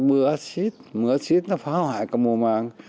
mưa xít mưa xít nó phá hoại có mùa mạng